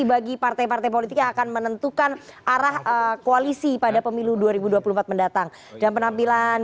bagi partai partai politik yang akan menentukan arah koalisi pada pemilu dua ribu dua puluh empat mendatang dan penampilan